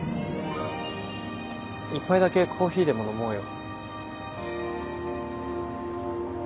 １杯だけコーヒーでも飲もうよ。